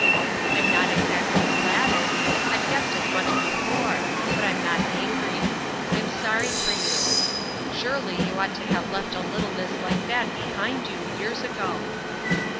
"I'm not exactly flattered,—I had guessed as much before,—but I'm not angry. I'm sorry for you. Surely you ought to have left a littleness like that behind you, years ago."